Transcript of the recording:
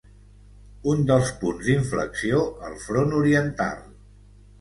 Un dels punts d'inflexió al Front Oriental.